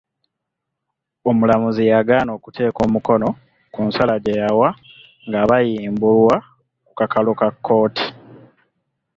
Omulamuzi yagaana okuteeka omukono ku nsala gye yawa ng’abayimbulwa ku kakalu ka kkooti.